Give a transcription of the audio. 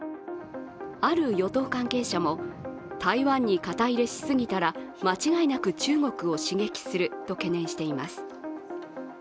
ある与党関係者も、台湾に肩入れしすぎたら間違いなく中国を刺激すると懸念しています。